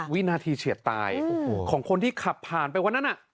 วินาทีเฉียดตายของคนที่ขับผ่านไปวันนั้น